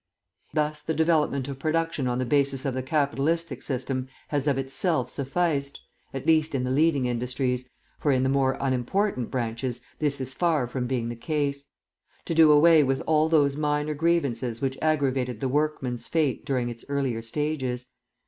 Thus the development of production on the basis of the capitalistic system has of itself sufficed at least in the leading industries, for in the more unimportant branches this is far from being the case to do away with all those minor grievances which aggravated the workman's fate during its earlier stages.